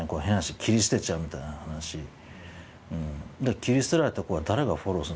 切り捨てられた子は誰がフォローする？